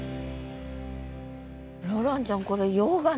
ローランちゃん